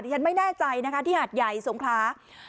ฉันไม่แน่ใจนะคะที่หาดใหญ่สงครา